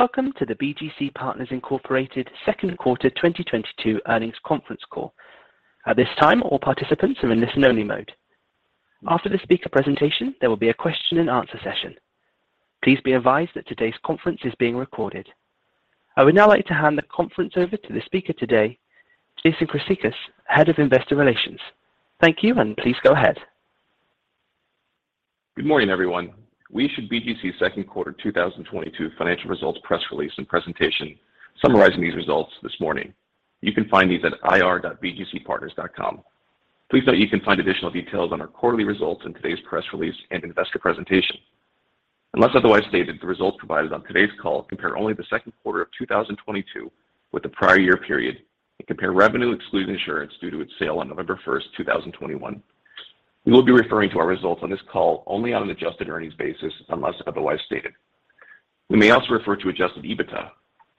Welcome to the BGC Partners, Inc second quarter 2022 earnings conference call. At this time, all participants are in listen only mode. After the speaker presentation, there will be a question and answer session. Please be advised that today's conference is being recorded. I would now like to hand the conference over to the speaker today, Jason Chryssicas, Head of Investor Relations. Thank you, and please go ahead. Good morning, everyone. We issued BGC's second quarter 2022 financial results press release and presentation summarizing these results this morning. You can find these at ir.bgcpartners.com. Please note you can find additional details on our quarterly results in today's press release and investor presentation. Unless otherwise stated, the results provided on today's call compare only the second quarter of 2022 with the prior year period and compare revenue excluding insurance due to its sale on November 1st, 2021. We will be referring to our results on this call only on an adjusted earnings basis unless otherwise stated. We may also refer to adjusted EBITDA.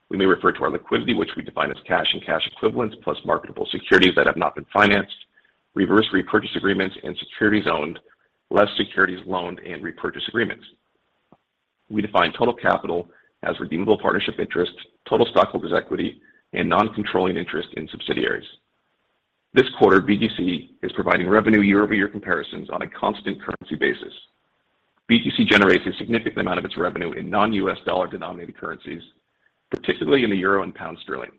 We may refer to our liquidity, which we define as cash and cash equivalents, plus marketable securities that have not been financed, reverse repurchase agreements and securities owned, less securities loaned and repurchase agreements. We define total capital as redeemable partnership interest, total stockholders' equity, and non-controlling interest in subsidiaries. This quarter, BGC is providing revenue year-over-year comparisons on a constant currency basis. BGC generates a significant amount of its revenue in non-U.S. dollar-denominated currencies, particularly in the euro and pound sterling.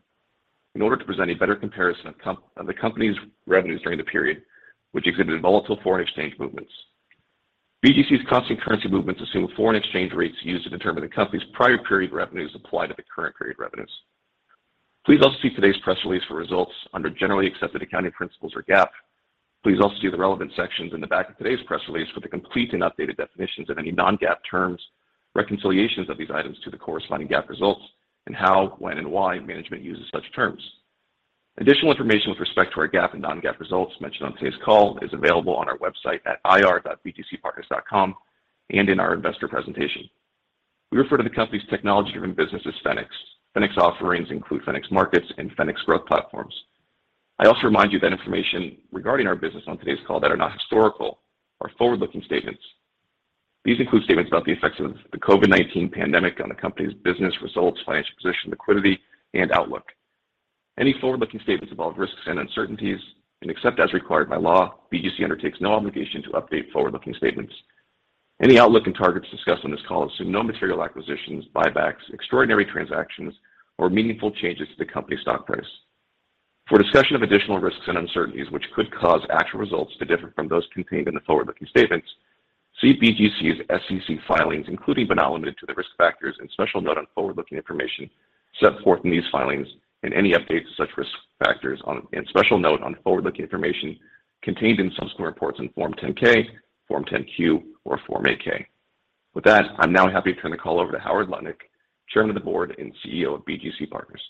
In order to present a better comparison of the company's revenues during the period, which exhibited volatile foreign exchange movements. BGC's constant currency movements assume foreign exchange rates used to determine the company's prior period revenues apply to the current period revenues. Please also see today's press release for results under generally accepted accounting principles or GAAP. Please also see the relevant sections in the back of today's press release for the complete and updated definitions of any non-GAAP terms, reconciliations of these items to the corresponding GAAP results, and how, when, and why management uses such terms. Additional information with respect to our GAAP and non-GAAP results mentioned on today's call is available on our website at ir.bgcpartners.com and in our investor presentation. We refer to the company's technology-driven business as Fenics. Fenics offerings include Fenics Markets and Fenics Growth Platforms. I also remind you that information regarding our business on today's call that are not historical are forward-looking statements. These include statements about the effects of the COVID-19 pandemic on the company's business results, financial position, liquidity, and outlook. Any forward-looking statements involve risks and uncertainties, and except as required by law, BGC undertakes no obligation to update forward-looking statements. Any outlook and targets discussed on this call assume no material acquisitions, buybacks, extraordinary transactions, or meaningful changes to the company's stock price. For a discussion of additional risks and uncertainties which could cause actual results to differ from those contained in the forward-looking statements, see BGC's SEC filings, including but not limited to the risk factors and special note on forward-looking information set forth in these filings and any updates to such risk factors and special note on forward-looking information contained in subsequent reports on Form 10-K, Form 10-Q, or Form 8-K. With that, I'm now happy to turn the call over to Howard Lutnick, Chairman of the Board and CEO of BGC Partners.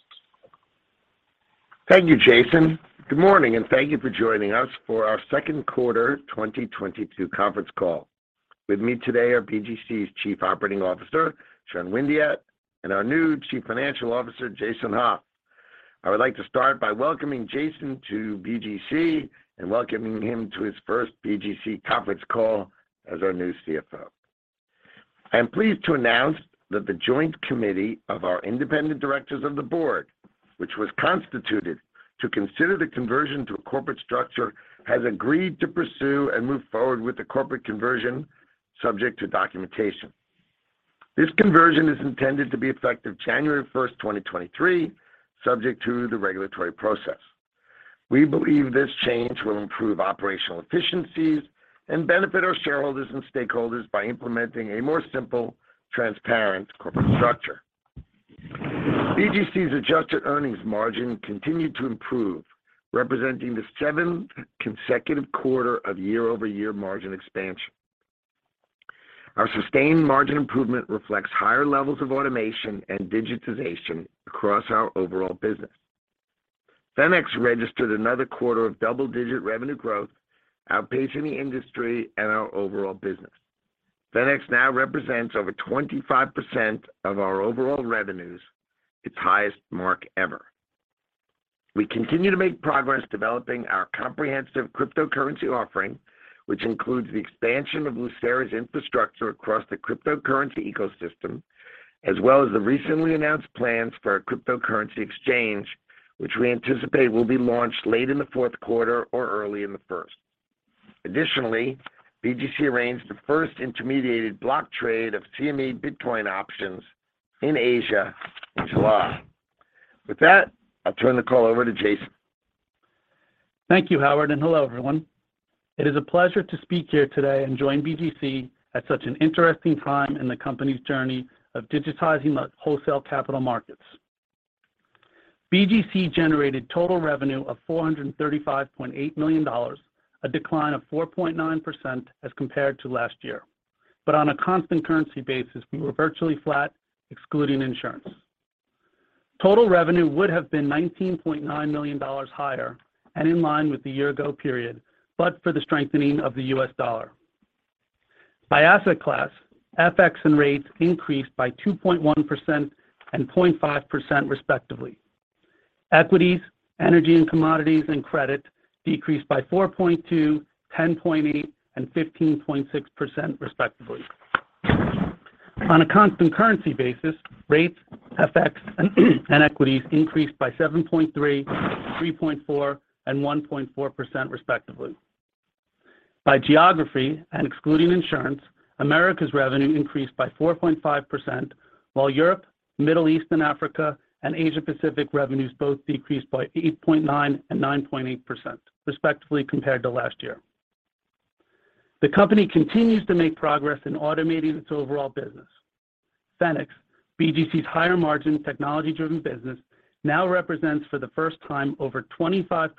Thank you, Jason. Good morning, and thank you for joining us for our second quarter 2022 conference call. With me today are BGC's Chief Operating Officer, Sean Windeatt, and our new Chief Financial Officer, Jason Hauf. I would like to start by welcoming Jason to BGC and welcoming him to his first BGC conference call as our new CFO. I am pleased to announce that the joint committee of our independent directors of the board, which was constituted to consider the conversion to a corporate structure, has agreed to pursue and move forward with the corporate conversion subject to documentation. This conversion is intended to be effective January 1st, 2023, subject to the regulatory process. We believe this change will improve operational efficiencies and benefit our shareholders and stakeholders by implementing a more simple, transparent corporate structure. BGC's adjusted earnings margin continued to improve, representing the seventh consecutive quarter of year-over-year margin expansion. Our sustained margin improvement reflects higher levels of automation and digitization across our overall business. Fenics registered another quarter of double-digit revenue growth, outpacing the industry and our overall business. Fenics now represents over 25% of our overall revenues, its highest mark ever. We continue to make progress developing our comprehensive cryptocurrency offering, which includes the expansion of Lucera's infrastructure across the cryptocurrency ecosystem, as well as the recently announced plans for our cryptocurrency exchange, which we anticipate will be launched late in the fourth quarter or early in the first. Additionally, BGC arranged the first intermediated block trade of CME Bitcoin options in Asia in July. With that, I'll turn the call over to Jason. Thank you, Howard, and hello, everyone. It is a pleasure to speak here today and join BGC at such an interesting time in the company's journey of digitizing the wholesale capital markets. BGC generated total revenue of $435.8 million, a decline of 4.9% as compared to last year. On a constant currency basis, we were virtually flat, excluding insurance. Total revenue would have been $19.9 million higher and in line with the year-ago period, but for the strengthening of the U.S. dollar. By asset class, FX and rates increased by 2.1% and 0.5% respectively. Equities, energy and commodities and credit decreased by 4.2%, 10.8%, and 15.6% respectively. On a constant currency basis, rates, FX, and equities increased by 7.3%, 3.4%, and 1.4% respectively. By geography and excluding insurance, Americas revenue increased by 4.5%, while Europe, Middle East and Africa, and Asia Pacific revenues both decreased by 8.9% and 9.8% respectively compared to last year. The company continues to make progress in automating its overall business. Fenics, BGC's higher margin, technology-driven business, now represents for the first time over 25%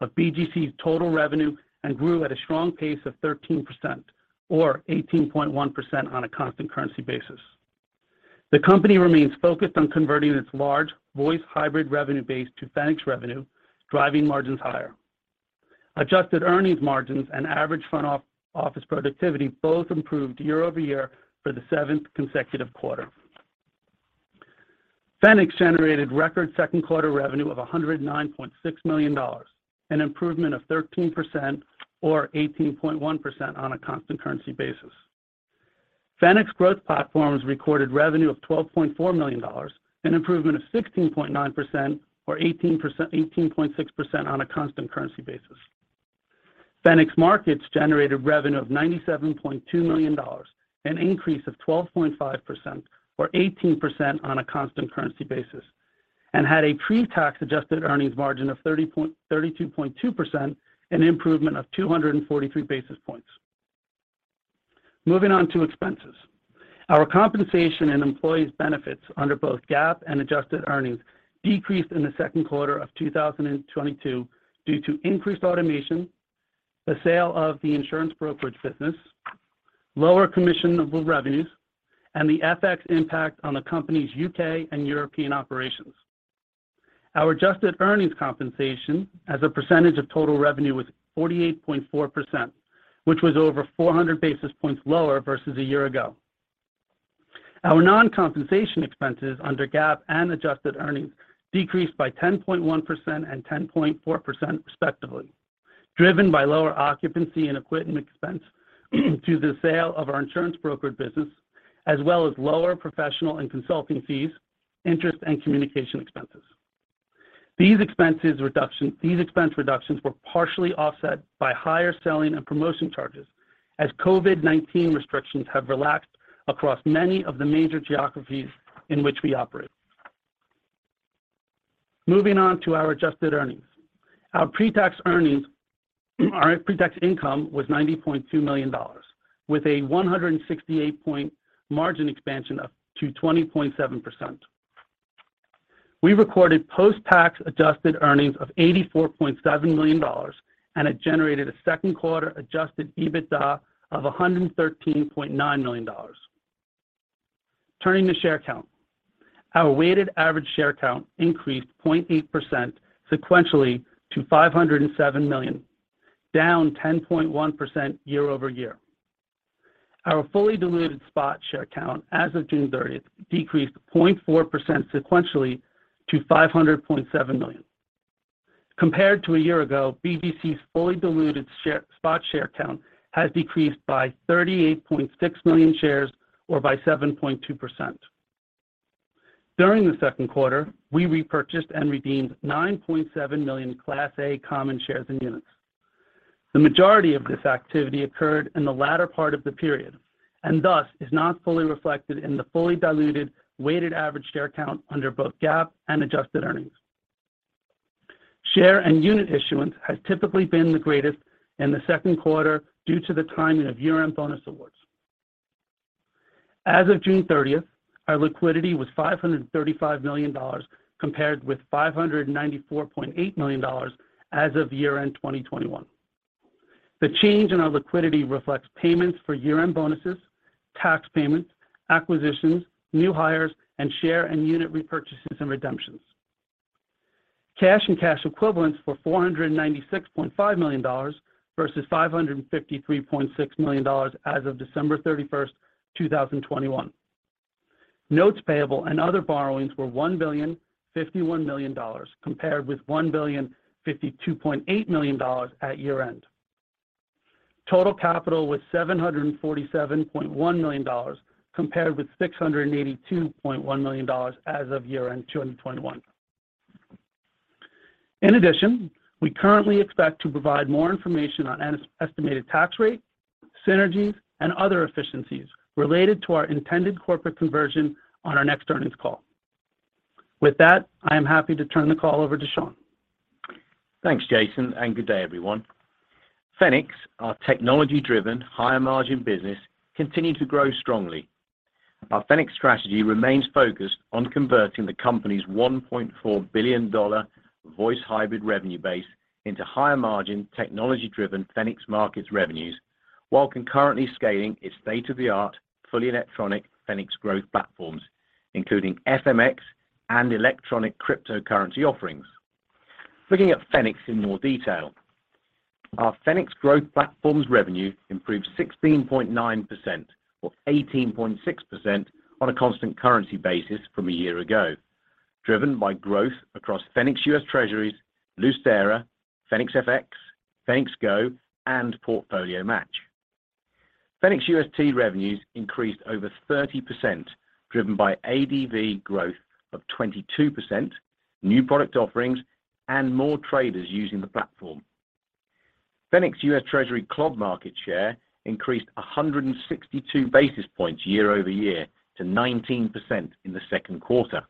of BGC's total revenue and grew at a strong pace of 13% or 18.1% on a constant currency basis. The company remains focused on converting its large Voice Hybrid revenue base to Fenics revenue, driving margins higher. Adjusted earnings margins and average front-office productivity both improved year-over-year for the seventh consecutive quarter. Fenics generated record second quarter revenue of $109.6 million, an improvement of 13% or 18.1% on a constant currency basis. Fenics Growth Platforms recorded revenue of $12.4 million, an improvement of 16.9% or 18.6% on a constant currency basis. Fenics Markets generated revenue of $97.2 million, an increase of 12.5% or 18% on a constant currency basis, and had a pre-tax adjusted earnings margin of 32.2%, an improvement of 243 basis points. Moving on to expenses. Our compensation and employee benefits under both GAAP and adjusted earnings decreased in the second quarter of 2022 due to increased automation, the sale of the insurance brokerage business, lower commissionable revenues, and the FX impact on the company's U.K. and European operations. Our adjusted earnings compensation as a percentage of total revenue was 48.4%, which was over 400 basis points lower versus a year ago. Our non-compensation expenses under GAAP and adjusted earnings decreased by 10.1% and 10.4% respectively, driven by lower occupancy and equipment expense due to the sale of our insurance brokerage business, as well as lower professional and consulting fees, interest and communication expenses. These expense reductions were partially offset by higher selling and promotion charges as COVID-19 restrictions have relaxed across many of the major geographies in which we operate. Moving on to our adjusted earnings. Our pre-tax income was $90.2 million, with a 168-point margin expansion up to 20.7%. We recorded post-tax adjusted earnings of $84.7 million, and it generated a second quarter adjusted EBITDA of $113.9 million. Turning to share count. Our weighted average share count increased 0.8% sequentially to 507 million, down 10.1% year-over-year. Our fully diluted spot share count as of June thirtieth decreased 0.4% sequentially to 500.7 million. Compared to a year ago, BGC's fully diluted shares outstanding has decreased by 38.6 million shares or by 7.2%. During the second quarter, we repurchased and redeemed 9.7 million Class A common shares and units. The majority of this activity occurred in the latter part of the period, and thus is not fully reflected in the fully diluted weighted average share count under both GAAP and adjusted earnings. Share and unit issuance has typically been the greatest in the second quarter due to the timing of year-end bonus awards. As of June 30th, our liquidity was $535 million, compared with $594.8 million as of year-end 2021. The change in our liquidity reflects payments for year-end bonuses, tax payments, acquisitions, new hires, and share and unit repurchases and redemptions. Cash and cash equivalents were $496.5 million versus $553.6 million as of December 31, 2021. Notes payable and other borrowings were $1,051 million, compared with $1,052.8 million at year-end. Total capital was $747.1 million, compared with $682.1 million as of year-end 2021. In addition, we currently expect to provide more information on estimated tax rate, synergies, and other efficiencies related to our intended corporate conversion on our next earnings call. With that, I am happy to turn the call over to Sean. Thanks, Jason, and good day, everyone. Fenics, our technology-driven, higher margin business, continued to grow strongly. Our Fenics strategy remains focused on converting the company's $1.4 billion Voice Hybrid revenue base into higher margin technology-driven Fenics Markets revenues, while concurrently scaling its state-of-the-art, fully electronic Fenics Growth Platforms, including FMX and electronic cryptocurrency offerings. Looking at Fenics in more detail. Our Fenics Growth Platforms revenue improved 16.9% or 18.6% on a constant currency basis from a year ago, driven by growth across Fenics UST, Lucera, Fenics FX, Fenics GO, and PortfolioMatch. Fenics UST revenues increased over 30%, driven by ADV growth of 22%, new product offerings, and more traders using the platform. Fenics U.S. Treasury club market share increased 162 basis points year-over-year to 19% in the second quarter.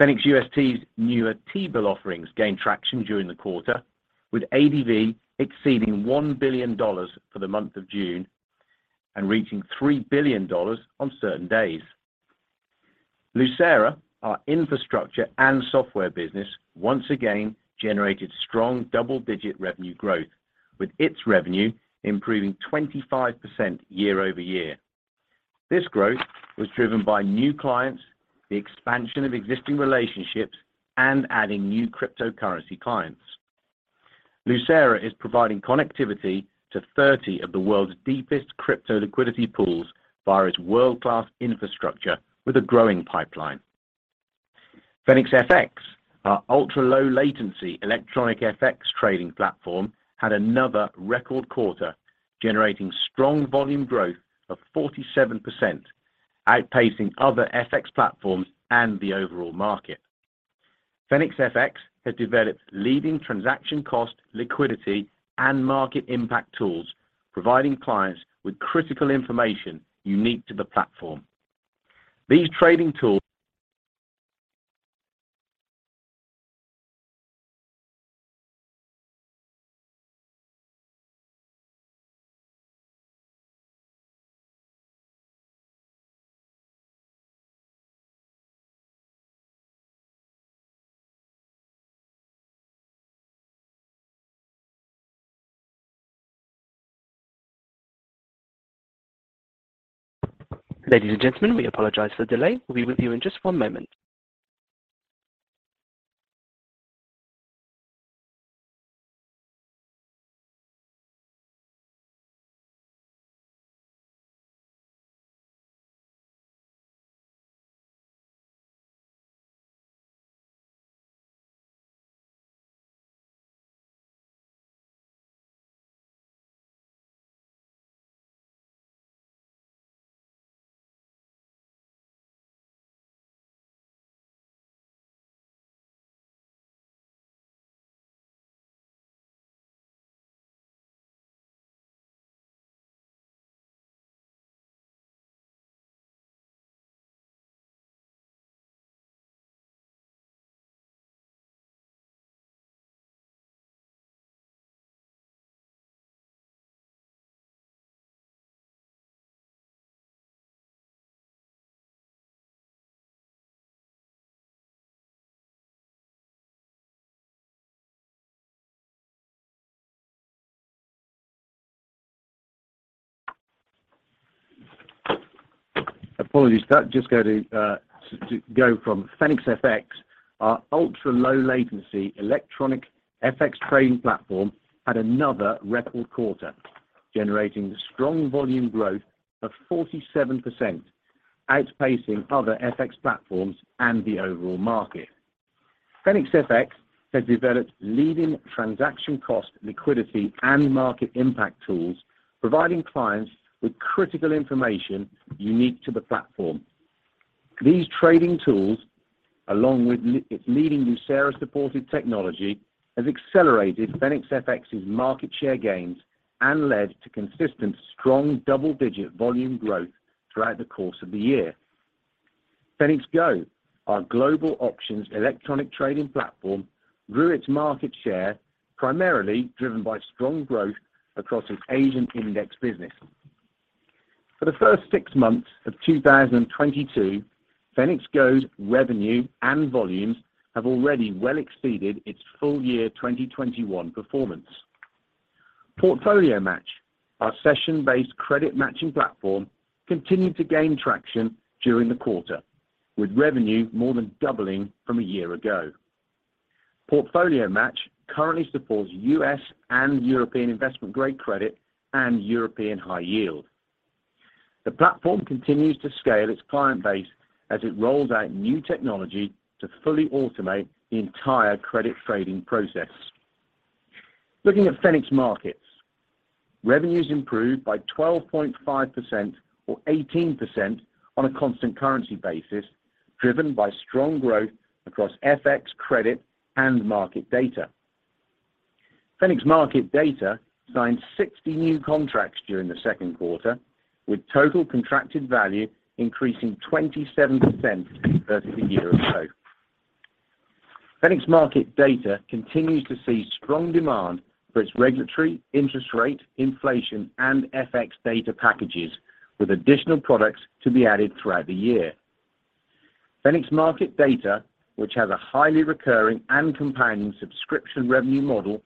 Fenics UST's newer T-bill offerings gained traction during the quarter, with ADV exceeding $1 billion for the month of June and reaching $3 billion on certain days. Lucera, our infrastructure and software business, once again generated strong double-digit revenue growth, with its revenue improving 25% year-over-year. This growth was driven by new clients, the expansion of existing relationships, and adding new cryptocurrency clients. Lucera is providing connectivity to 30 of the world's deepest crypto liquidity pools via its world-class infrastructure with a growing pipeline. Fenics FX, our ultra-low latency electronic FX trading platform, had another record quarter, generating strong volume growth of 47%, outpacing other FX platforms and the overall market. Fenics FX has developed leading transaction cost, liquidity, and market impact tools, providing clients with critical information unique to the platform. These trading tools, along with its leading Lucera-supported technology, has accelerated Fenics FX's market share gains and led to consistent strong double-digit volume growth throughout the course of the year. Fenics GO, our global options electronic trading platform, grew its market share, primarily driven by strong growth across its Asian index business. For the first six months of 2022, Fenics GO's revenue and volumes have already well exceeded its full year 2021 performance. PortfolioMatch, our session-based credit matching platform, continued to gain traction during the quarter, with revenue more than doubling from a year ago. PortfolioMatch currently supports U.S. and European investment-grade credit and European high yield. The platform continues to scale its client base as it rolls out new technology to fully automate the entire credit trading process. Looking at Fenics Markets. Revenues improved by 12.5% or 18% on a constant currency basis, driven by strong growth across FX credit and market data. Fenics Market Data signed 60 new contracts during the second quarter, with total contracted value increasing 27% versus a year ago. Fenics Market Data continues to see strong demand for its regulatory, interest rate, inflation, and FX data packages, with additional products to be added throughout the year. Fenics Market Data, which has a highly recurring and compounding subscription revenue model,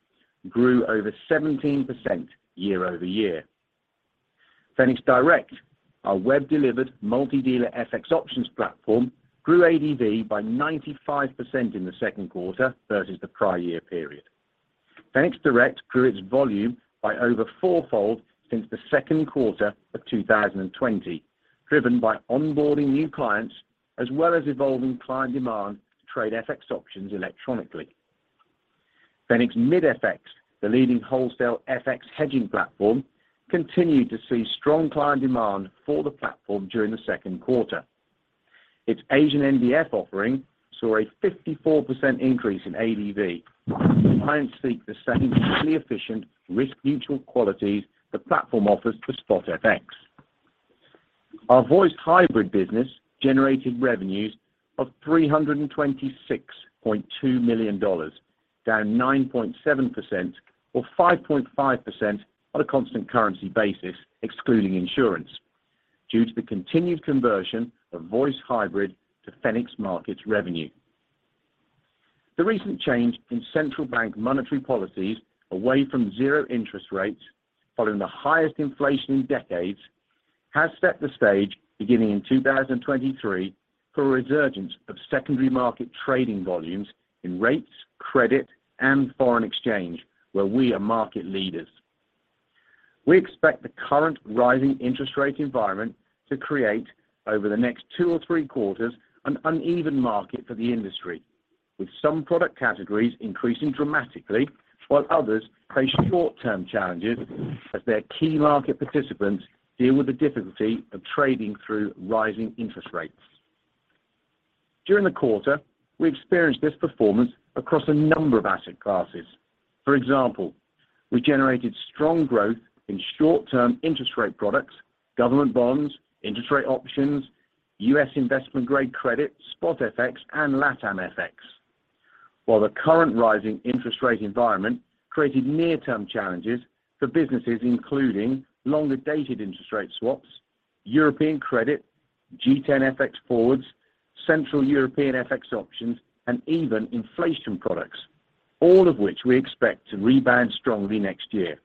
grew over 17% year-over-year. Fenics Direct, our web-delivered multi-dealer FX options platform grew ADV by 95% in the second quarter versus the prior year period. Fenics Direct grew its volume by over four-fold since the second quarter of 2020, driven by onboarding new clients as well as evolving client demand to trade FX options electronically. Fenics MID FX, the leading wholesale FX hedging platform, continued to see strong client demand for the platform during the second quarter. Its Asian NDF offering saw a 54% increase in ADV. Clients seek the same highly efficient risk management qualities the platform offers for spot FX. Our Voice Hybrid business generated revenues of $326.2 million, down 9.7% or 5.5% on a constant currency basis excluding insurance due to the continued conversion of Voice Hybrid to Fenics Markets revenue. The recent change in central bank monetary policies away from zero interest rates following the highest inflation in decades has set the stage beginning in 2023 for a resurgence of secondary market trading volumes in rates, credit, and foreign exchange, where we are market leaders. We expect the current rising interest rate environment to create over the next two or three quarters an uneven market for the industry, with some product categories increasing dramatically while others face short-term challenges as their key market participants deal with the difficulty of trading through rising interest rates. During the quarter, we experienced this performance across a number of asset classes. For example, we generated strong growth in short-term interest rate products, government bonds, interest rate options, U.S. investment-grade credit, spot FX, and LATAM FX. While the current rising interest rate environment created near-term challenges for businesses, including longer-dated interest rate swaps, European credit, G10 FX forwards, Central European FX options, and even inflation products, all of which we expect to rebound strongly next year.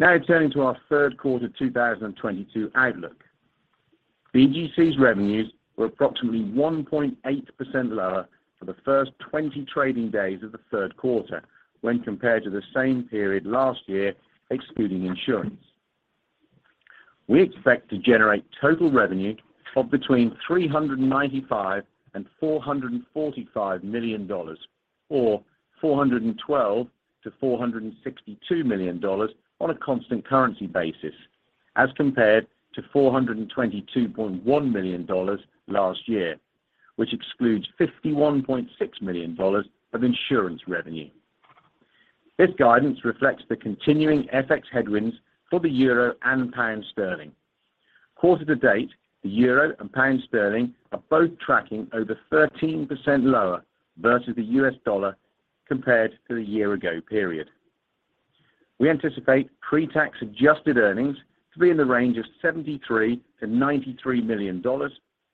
Now turning to our third quarter 2022 outlook. BGC's revenues were approximately 1.8% lower for the first 20 trading days of the third quarter when compared to the same period last year, excluding insurance. We expect to generate total revenue of between $395 million and $445 million, or $412 million-$462 million on a constant currency basis as compared to $422.1 million last year, which excludes $51.6 million of insurance revenue. This guidance reflects the continuing FX headwinds for the euro and pound sterling. Quarter to date, the euro and pound sterling are both tracking over 13% lower versus the U.S. dollar compared to the year-ago period. We anticipate pre-tax adjusted earnings to be in the range of $73 million-$93 million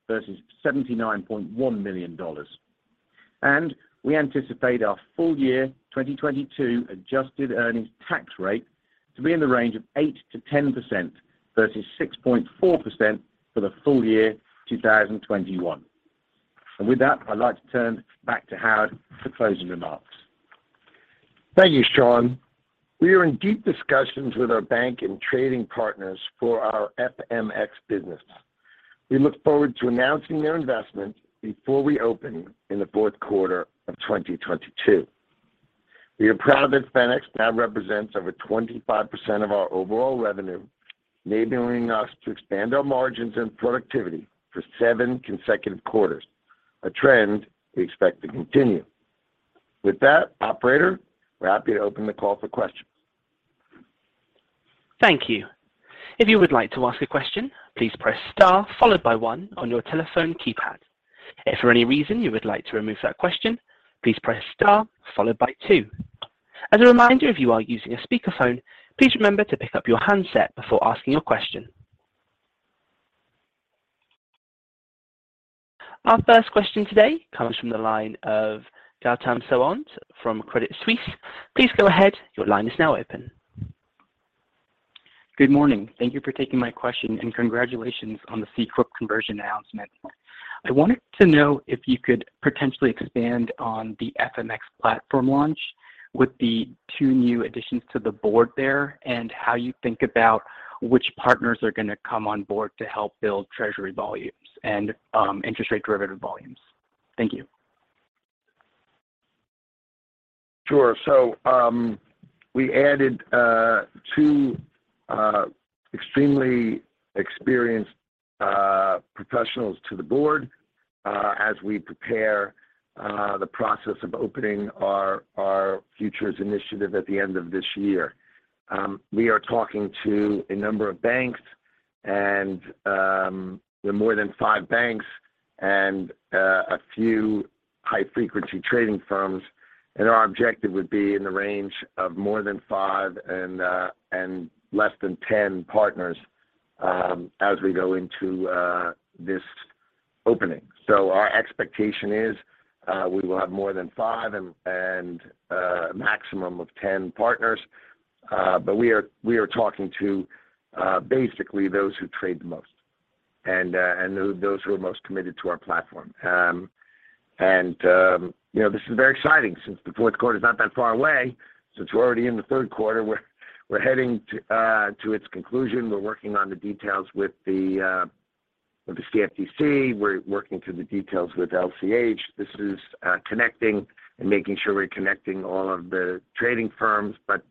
versus $79.1 million. We anticipate our full year 2022 adjusted earnings tax rate to be in the range of 8%-10% versus 6.4% for the full year 2021. With that, I'd like to turn back to Howard for closing remarks. Thank you, Sean. We are in deep discussions with our bank and trading partners for our FMX business. We look forward to announcing their investment before we open in the fourth quarter of 2022. We are proud that Fenics now represents over 25% of our overall revenue, enabling us to expand our margins and productivity for seven consecutive quarters, a trend we expect to continue. With that, operator, we're happy to open the call for questions. Thank you. If you would like to ask a question, please press star followed by one on your telephone keypad. If for any reason you would like to remove that question, please press star followed by two. As a reminder, if you are using a speakerphone, please remember to pick up your handset before asking your question. Our first question today comes from the line of Gautam Sawant from Credit Suisse. Please go ahead. Your line is now open. Good morning. Thank you for taking my question, and congratulations on the C Corp conversion announcement. I wanted to know if you could potentially expand on the FMX platform launch with the two new additions to the board there, and how you think about which partners are going to come on board to help build treasury volumes and interest rate derivative volumes? Thank you. Sure. We added two extremely experienced professionals to the board as we prepare the process of opening our futures initiative at the end of this year. We are talking to a number of banks and there are more than five banks and a few high-frequency trading firms, and our objective would be in the range of more than five and less than 10 partners as we go into this opening. Our expectation is we will have more than five and a maximum of 10 partners. But we are talking to basically those who trade the most and those who are most committed to our platform. You know, this is very exciting since the fourth quarter is not that far away. Since we're already in the third quarter, we're heading to its conclusion. We're working on the details with the CFTC. We're working through the details with LCH. This is connecting and making sure we're connecting all of the trading firms. You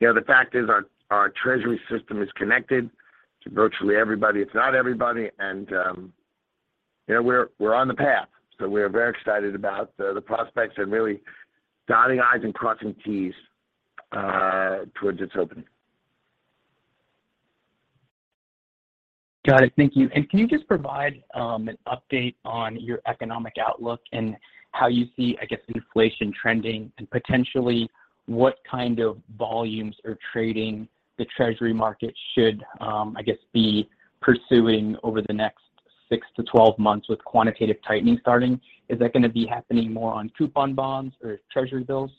know, the fact is our treasury system is connected to virtually everybody. It's not everybody. You know, we're on the path. We're very excited about the prospects and really dotting I's and crossing T's towards its opening. Got it. Thank you. Can you just provide an update on your economic outlook and how you see, I guess, inflation trending and potentially what kind of volumes or trading the Treasury market should, I guess, be pursuing over the next six to 12 months with quantitative tightening starting? Is that going to be happening more on coupon bonds or Treasury bills?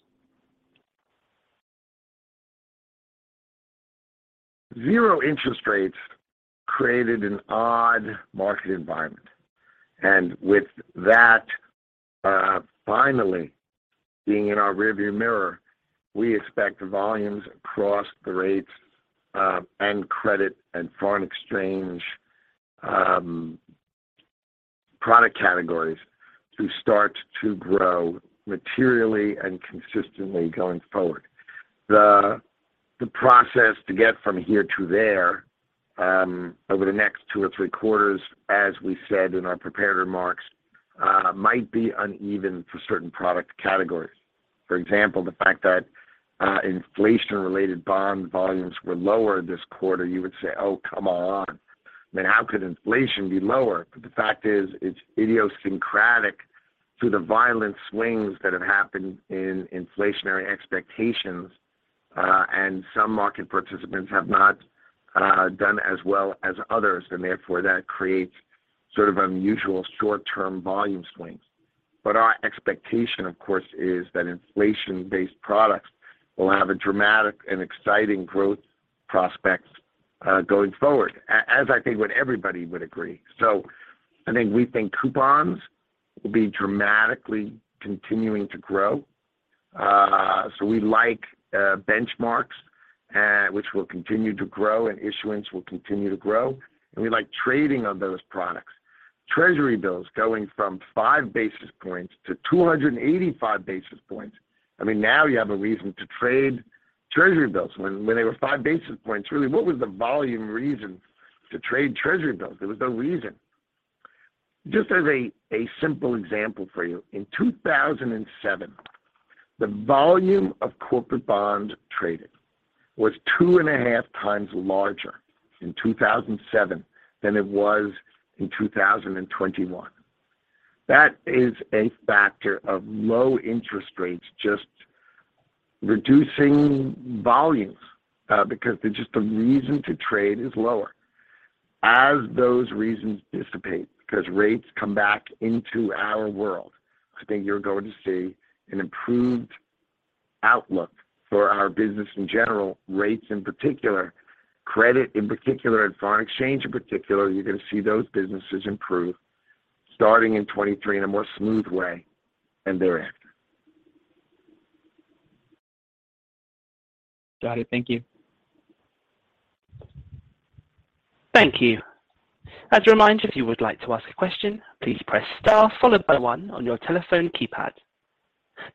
Zero interest rates created an odd market environment. With that, finally being in our rearview mirror, we expect the volumes across the rates, and credit and foreign exchange, product categories to start to grow materially and consistently going forward. The process to get from here to there, over the next two or three quarters, as we said in our prepared remarks, might be uneven for certain product categories. For example, the fact that, inflation-related bond volumes were lower this quarter, you would say, "Oh, come on. I mean, how could inflation be lower?" The fact is, it's idiosyncratic to the violent swings that have happened in inflationary expectations, and some market participants have not done as well as others, and therefore that creates sort of unusual short-term volume swings. Our expectation, of course, is that inflation-based products will have a dramatic and exciting growth prospects, going forward, as I think what everybody would agree. I think we think coupons will be dramatically continuing to grow. We like, benchmarks, which will continue to grow and issuance will continue to grow. We like trading on those products. Treasury bills going from five basis points to 285 basis points. I mean, now you have a reason to trade treasury bills. When they were five basis points, really, what was the volume reason to trade treasury bills? There was no reason. Just as a simple example for you, in 2007, the volume of corporate bonds traded was 2.5x larger in 2007 than it was in 2021. That is a factor of low interest rates just reducing volumes, because just the reason to trade is lower. As those reasons dissipate because rates come back into our world, I think you're going to see an improved outlook for our business in general, rates in particular, credit in particular, and foreign exchange in particular. You're going to see those businesses improve starting in 2023 in a more smooth way and thereafter. Got it. Thank you. Thank you. As a reminder, if you would like to ask a question, please press star followed by one on your telephone keypad.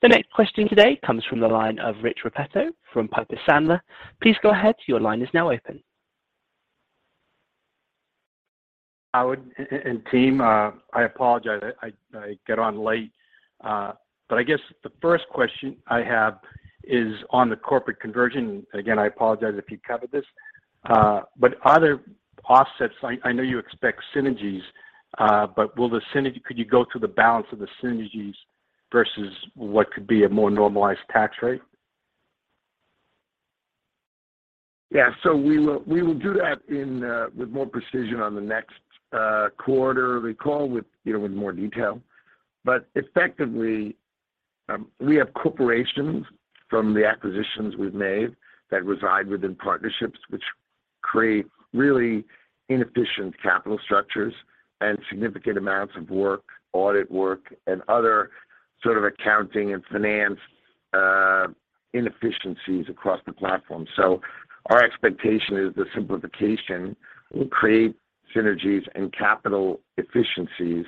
The next question today comes from the line of Rich Repetto from Piper Sandler. Please go ahead, your line is now open. Howard and team, I apologize, I got on late, but I guess the first question I have is on the corporate conversion. Again, I apologize if you covered this, but are there offsets? I know you expect synergies, but could you go through the balance of the synergies versus what could be a more normalized tax rate? Yeah. We will do that in with more precision on the next quarter call with, you know, with more detail. Effectively, we have corporations from the acquisitions we've made that reside within partnerships, which create really inefficient capital structures and significant amounts of work, audit work, and other sort of accounting and finance inefficiencies across the platform. Our expectation is the simplification will create synergies and capital efficiencies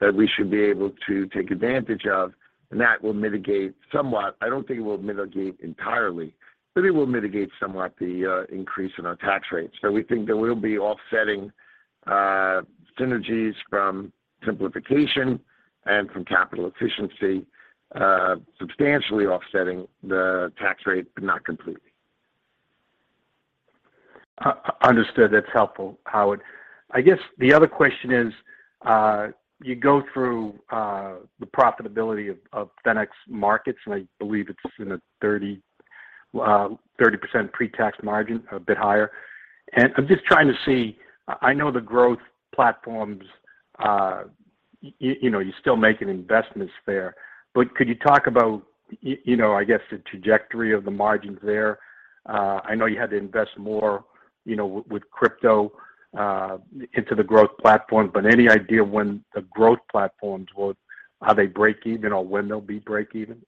that we should be able to take advantage of, and that will mitigate somewhat. I don't think it will mitigate entirely, but it will mitigate somewhat the increase in our tax rate. We think there will be offsetting synergies from simplification and from capital efficiency substantially offsetting the tax rate, but not completely. Understood. That's helpful, Howard. I guess the other question is, you go through, the profitability of Fenics Markets, and I believe it's in the 30% pre-tax margin, a bit higher. I'm just trying to see, I know the growth platforms, you know, you're still making investments there. Could you talk about you know, I guess, the trajectory of the margins there? I know you had to invest more, you know, with crypto, into the growth platform, but any idea when the growth platforms will be breakeven? Are they breakeven, or when they'll be breakeven?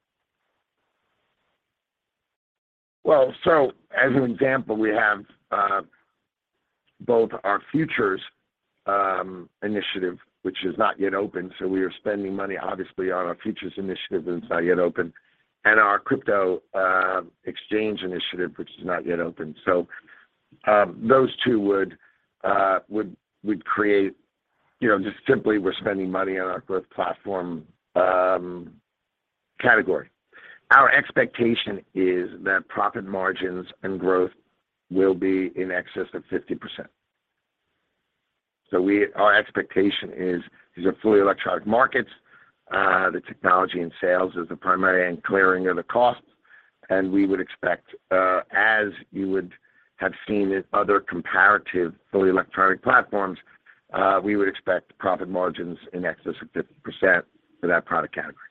Well, as an example, we have both our futures initiative, which is not yet open, so we are spending money obviously on our futures initiative that's not yet open, and our crypto exchange initiative, which is not yet open. Those two would create, you know, just simply we're spending money on our growth platform category. Our expectation is that profit margins and growth will be in excess of 50%. Our expectation is these are fully electronic markets, the technology and sales is the primary and clearing of the costs. We would expect, as you would have seen in other comparative fully electronic platforms, we would expect profit margins in excess of 50% for that product category.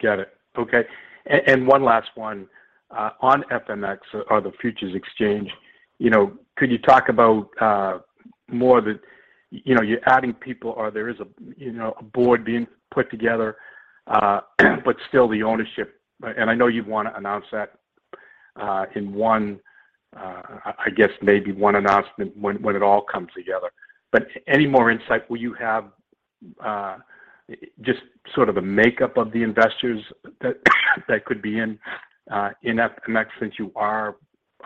Get it. Okay. One last one. On FMX or the futures exchange, you know, could you talk about more of it. You know, you're adding people or there is a, you know, a board being put together, but still the ownership. I know you'd wanna announce that, in one, I guess maybe one announcement when it all comes together. But any more insight will you have, just sort of a makeup of the investors that could be in FMX since you are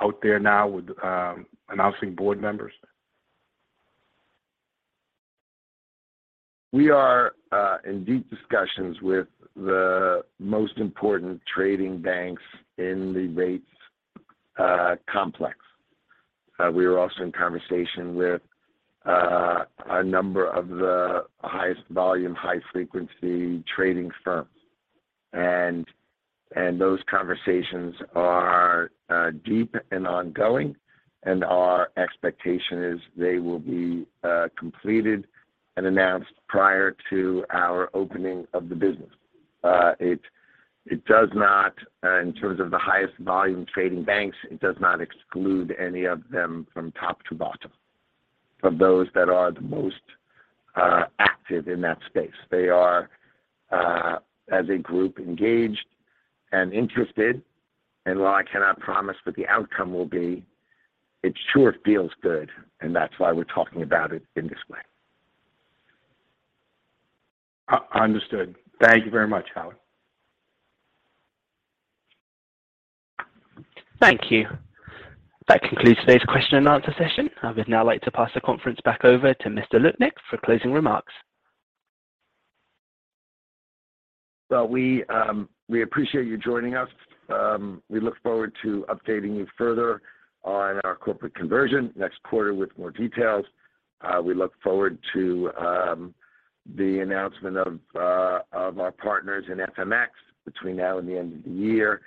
out there now with announcing board members? We are in deep discussions with the most important trading banks in the rates complex. We are also in conversation with a number of the highest volume, high frequency trading firms. Those conversations are deep and ongoing, and our expectation is they will be completed and announced prior to our opening of the business. It does not, in terms of the highest volume trading banks, exclude any of them from top to bottom, from those that are the most active in that space. They are, as a group, engaged and interested. While I cannot promise what the outcome will be, it sure feels good, and that's why we're talking about it in this way. Understood. Thank you very much, Howard. Thank you. That concludes today's question and answer session. I would now like to pass the conference back over to Mr. Lutnick for closing remarks. Well, we appreciate you joining us. We look forward to updating you further on our corporate conversion next quarter with more details. We look forward to the announcement of our partners in FMX between now and the end of the year.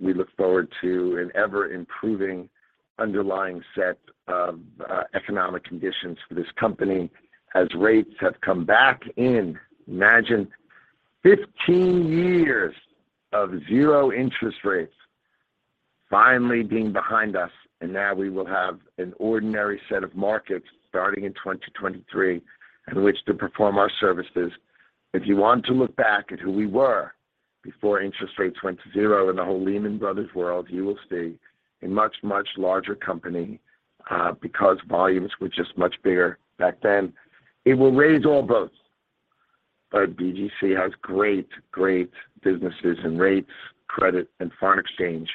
We look forward to an ever-improving underlying set of economic conditions for this company as rates have come back in. Imagine 15 years of zero interest rates finally being behind us, and now we will have an ordinary set of markets starting in 2023 in which to perform our services. If you want to look back at who we were before interest rates went to zero in the whole Lehman Brothers world, you will see a much larger company, because volumes were just much bigger back then. It will raise all boats, but BGC has great businesses and rates, credit and foreign exchange,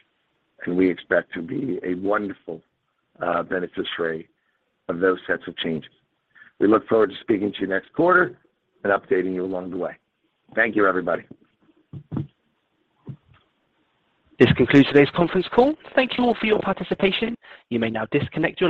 and we expect to be a wonderful beneficiary of those sets of changes. We look forward to speaking to you next quarter and updating you along the way. Thank you, everybody. This concludes today's conference call. Thank you all for your participation. You may now disconnect.